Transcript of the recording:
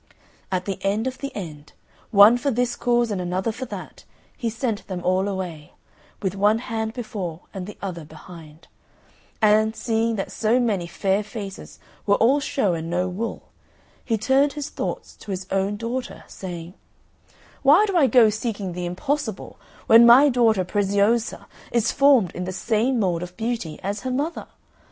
At the end of the end, one for this cause and another for that, he sent them all away, with one hand before and the other behind; and, seeing that so many fair faces were all show and no wool, he turned his thoughts to his own daughter, saying, "Why do I go seeking the impossible when my daughter Preziosa is formed in the same mould of beauty as her mother?